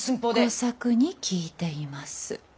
吾作に聞いています。